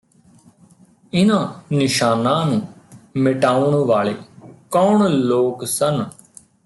ਇਨ੍ਹਾਂ ਨਿਸ਼ਾਨਾਂ ਨੂੰ ਮਿਟਾਉਣ ਵਾਲੇ ਕੌਣ ਲੋਕ ਸਨ